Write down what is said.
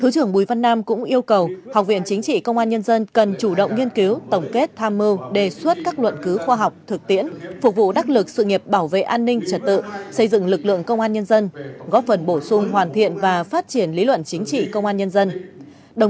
thứ trưởng bùi văn nam cũng yêu cầu học viện chính trị công an nhân dân cần chủ động nghiên cứu tổng kết tham mưu đề xuất các luận cứu khoa học thực tiễn phục vụ đắc lực sự nghiệp bảo vệ an ninh trật tự xây dựng lực lượng công an nhân dân góp phần bổ sung hoàn thiện và phát triển lý luận chính trị công an nhân dân